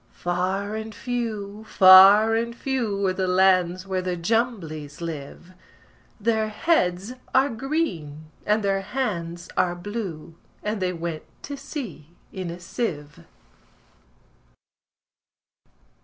Far and few, far and few, Are the lands where the Jumblies live: Their heads are green, and their hands are blue And they went to sea in a sieve.